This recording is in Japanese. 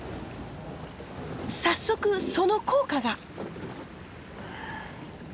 早速その効果が。